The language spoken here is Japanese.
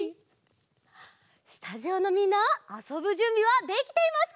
スタジオのみんなあそぶじゅんびはできていますか？